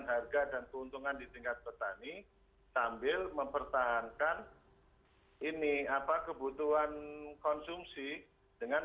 harga dan keuntungan di tingkat petani sambil mempertahankan ini apa kebutuhan konsumsi dengan